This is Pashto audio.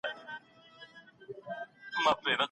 په اسلام کي هيچا ته د ضرر رسولو اجازه نه ده ورکړل سوې.